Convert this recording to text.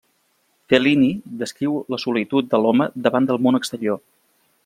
Fellini descriu la solitud de l'home davant del món exterior.